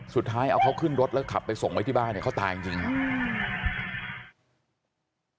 สุดท้ายเอาเขาขึ้นรถแล้วขับไปส่งไว้ที่บ้านเนี่ยเขาตายจริงครับ